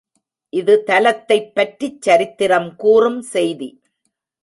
இது தலத்தைப் பற்றிச் சரித்திரம் கூறும் செய்தி.